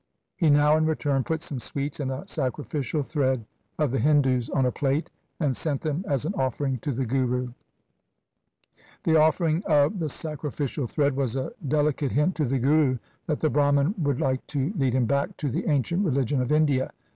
He now in return put some sweets and a sacrificial thread of the Hindus on a plate, and sent them as an offering to the Guru. The offering of the sacri ficial thread was a delicate hint to the Guru that the Brahman would like to lead him back to the ancient religion of India.